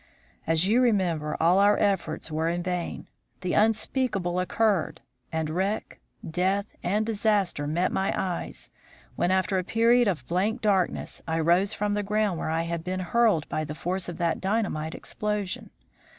As you remember, all our efforts were in vain; the unspeakable occurred, and wreck, death, and disaster met my eyes when, after a period of blank darkness, I rose from the ground where I had been hurled by the force of that dynamite explosion.